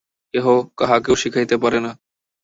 কেহ কাহাকেও শিখাইতে পারে না।